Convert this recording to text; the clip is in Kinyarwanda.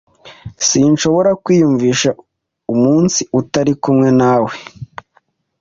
Sinshobora kwiyumvisha umunsi utari kumwe nawe.